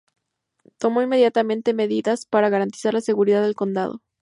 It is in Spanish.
Tomó inmediatamente medidas para garantizar la seguridad del condado.